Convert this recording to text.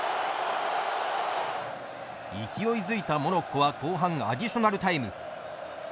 勢いづいたモロッコは後半アディショナルタイム。